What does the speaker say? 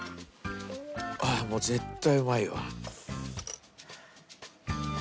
ああもう絶対うまいわ。